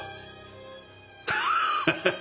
ハハハハ！